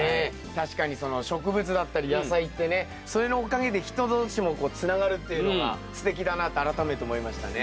確かにその植物だったり野菜ってねそれのおかげで人同士もつながるっていうのがすてきだなって改めて思いましたね。